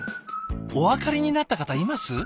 お分かりになった方います？